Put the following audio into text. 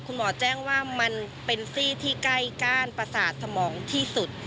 คุณหมอแจ้งว่ามันเป็นซี่ที่ใกล้ก้านประสาทสมองที่สุด